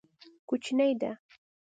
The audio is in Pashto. کوچنی ده.